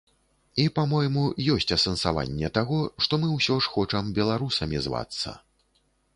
І, па-мойму, ёсць асэнсаванне таго, што мы ўсё ж хочам беларусамі звацца.